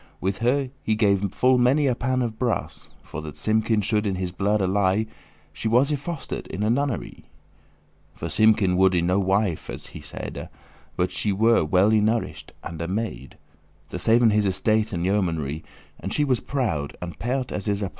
With her he gave full many a pan of brass, For that Simkin should in his blood ally. She was y foster'd in a nunnery: For Simkin woulde no wife, as he said, But she were well y nourish'd, and a maid, To saven his estate and yeomanry: And she was proud, and pert as is a pie*.